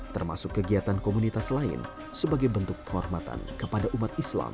termasuk kegiatan komunitas lain sebagai bentuk penghormatan kepada umat islam